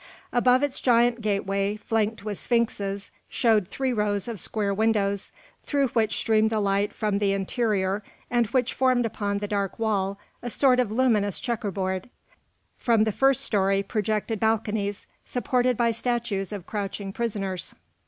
Above its giant gateway, flanked with sphinxes, showed three rows of square windows, through which streamed the light from the interior and which formed upon the dark wall a sort of luminous checker board. From the first story projected balconies, supported by statues of crouching prisoners.